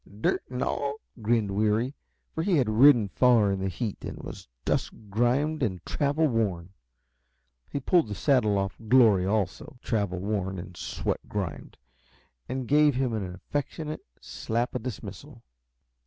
"Dirt and all?" grinned Weary, for he had ridden far in the heat, and was dust grimed and travelworn. He pulled the saddle off Glory, also, travelworn and sweat grimed, and gave him an affectionate slap of dismissal.